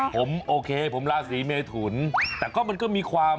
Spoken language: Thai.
ผมโอเคผมราศีเมทุนแต่ก็มันก็มีความ